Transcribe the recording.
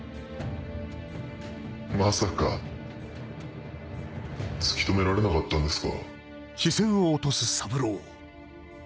まさか突き止められなかったんですか？